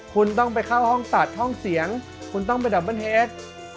คุณต้องไปเข้าห้องตัดห้องเสียงคุณต้องไปดับเบิ้ลเฮส